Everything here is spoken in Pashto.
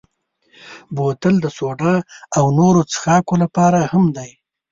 بوتل د سوډا او نورو څښاکو لپاره مهم دی.